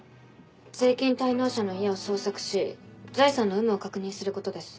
税金滞納者の家を捜索し財産の有無を確認することです。